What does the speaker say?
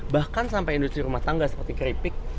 bahkan sampai industri rumah tangga seperti keripik